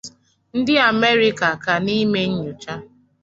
ndị Amerịka ka na-eme nyocha